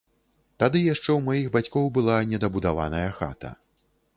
Тады яшчэ ў маіх бацькоў была не дабудаваная хата.